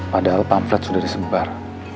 padahal pamflet sudah disebar